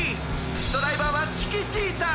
ドライバーはチキ・チータ！